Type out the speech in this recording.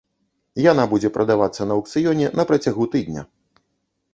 Яна будзе прадавацца на аўкцыёне на працягу тыдня.